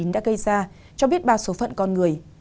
đã gây ra cho biết ba số phận con người